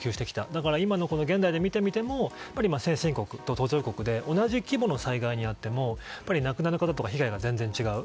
だから今の現代で見てみても先進国と途上国で同じ規模の災害に遭っても亡くなる方とか被害が全然違う。